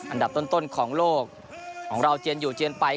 อันดับต้นของโลกของเราเจียนอยู่เจียนไป